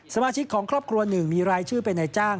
สมาชิกของครอบครัวหนึ่งมีรายชื่อเป็นนายจ้าง